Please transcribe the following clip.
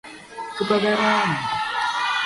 Kebakaran!